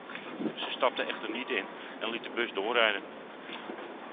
Ze stapte echter niet in en liet de bus doorrijden.